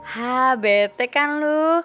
haa bete kan lu